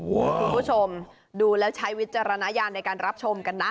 คุณผู้ชมดูแล้วใช้วิจารณญาณในการรับชมกันนะ